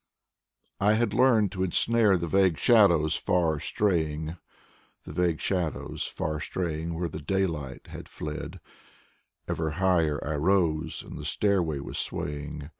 I had learned to ensnare the vague shadows far straying. The vague shadows far straying, where the daylight had fled; Ever higher I rose, and the stairway was swaying.